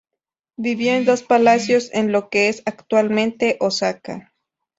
Vivió en dos palacios en lo que es actualmente Osaka.